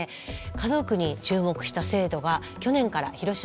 家族に注目した制度が去年から広島市で始まりました。